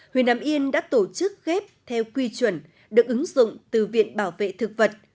huyện hàm yên đã tổ chức ghép theo quy chuẩn được ứng dụng từ viện bảo vệ thực vật